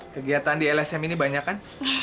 kegiatan di lsm ini banyak kan